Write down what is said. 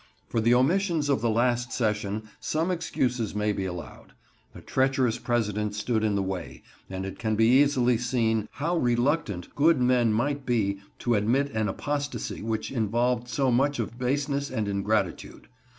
For the omissions of the last session, some excuses may be allowed. A treacherous President stood in the way; and it can be easily seen how reluctant good men might be to admit an apostasy which involved so much of baseness and ingratitude.